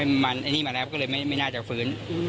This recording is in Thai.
ไอ้มันอันนี้มันแล้วก็เลยไม่น่าจะฟื้น